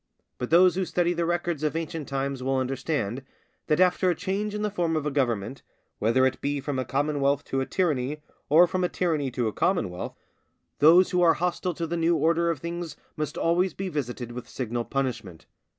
But those who study the records of ancient times will understand, that after a change in the form of a government, whether it be from a commonwealth to a tyranny or from a tyranny to a commonwealth, those who are hostile to the new order of things must always be visited with signal punishment.